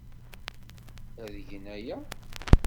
Ad gen aya.